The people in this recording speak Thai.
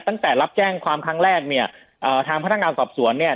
ตั้งแต่รับแจ้งความครั้งแรกเนี่ยเอ่อทางพนักงานสอบสวนเนี่ย